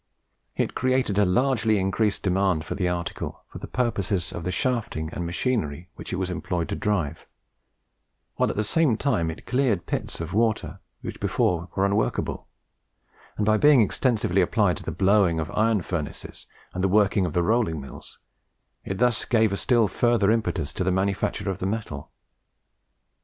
It created a largely increased demand for the article for the purposes of the shafting and machinery which it was employed to drive; while at the same time it cleared pits of water which before were unworkable, and by being extensively applied to the blowing of iron furnaces and the working of the rolling mills, it thus gave a still further impetus to the manufacture of the metal.